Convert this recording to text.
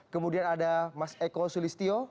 kemudian ada mas eko sulistio